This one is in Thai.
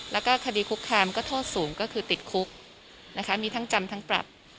แล้วก็คดีคุกคามก็โทษสูงก็คือติดคุกนะคะมีทั้งจำทั้งปรับ